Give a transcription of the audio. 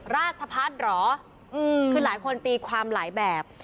ราชพัฒน์เหรอคือหลายคนตีความหลายแบบ